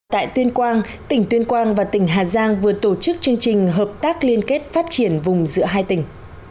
tại tuyên quang tỉnh tuyên quang và tỉnh hà giang vừa tổ chức chương trình hợp tác liên kết phát triển vùng giữa hai tỉnh